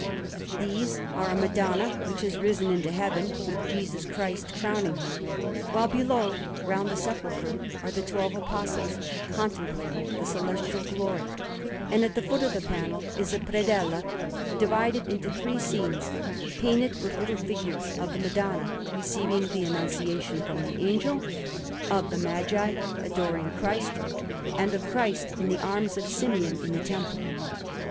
These are a Madonna who has risen into Heaven, with Jesus Christ crowning her, while below, round the sepulchre, are the twelve Apostles, contemplating the Celestial Glory, and at the foot of the panel is a predella divided into three scenes, painted with little figures, of the Madonna receiving the Annunciation from the Angel, of the Magi adoring Christ, and of Christ in the arms of Simeon in the Temple.